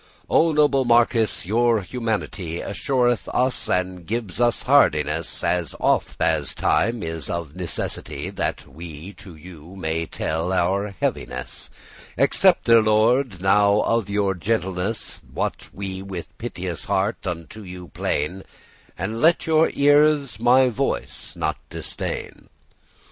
"O noble Marquis! your humanity Assureth us and gives us hardiness, As oft as time is of necessity, That we to you may tell our heaviness: Accepte, Lord, now of your gentleness, What we with piteous heart unto you plain,* *complain of And let your ears my voice not disdain.